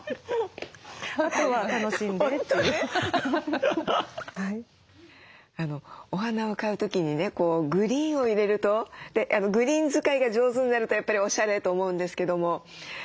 あとは楽しんでっていう。お花を買う時にねグリーンを入れるとグリーン使いが上手になるとやっぱりおしゃれと思うんですけども。